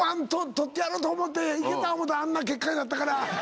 取ってやろうと思っていけた思うたらあんな結果になったから。